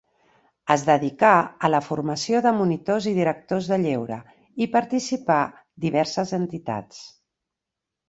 Es dedicà a la formació de monitors i directors del lleure i participà diverses entitats.